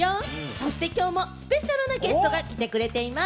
そしてきょうもスペシャルなゲストが来てくれています。